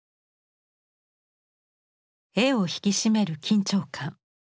絵を引き締める緊張感。